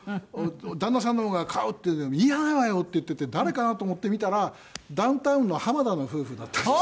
旦那さんの方が「買う」って言って「いらないわよ」って言ってて誰かなと思って見たらダウンタウンの浜田の夫婦だったんです。